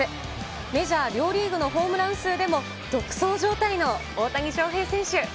メジャー両リーグのホームラン数でも独走状態の大谷翔平選手。